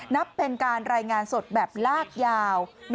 นับเป็นการรายงานสดแบบลากยาว